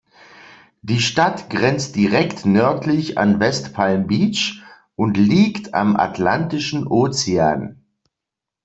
Die Stadt grenzt direkt nördlich an West Palm Beach und liegt am Atlantischen Ozean.